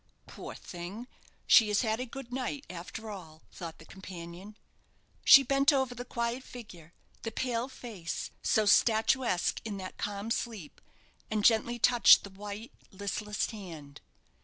"Poor thing! she has had a good night after all," thought the companion. She bent over the quiet figure, the pale face, so statuesque in that calm sleep, and gently touched the white, listless hand.